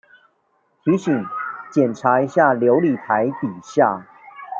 提醒檢查一下流理台底下